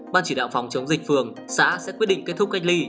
ban chỉ đạo phòng chống dịch phường xã sẽ quyết định kết thúc cách ly